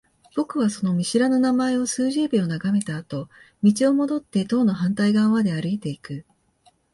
僕はその見知らぬ名前を数十秒眺めたあと、道を戻って棟の反対側まで歩いていく。